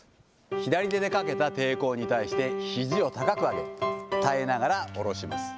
左手にかけた抵抗に対して、ひじを高く上げ、耐えながら下ろします。